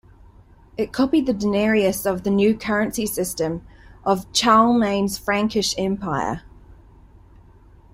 It copied the "denarius" of the new currency system of Charlemagne's Frankish Empire.